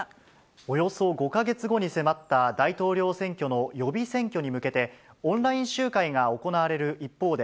およそ５か月後に迫った大統領選挙の予備選挙に向けて、オンライン集会が行われる一方で、